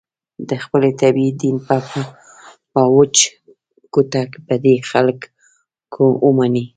د خپلې طبعې دین به په وچ کوتک په دې خلکو ومني.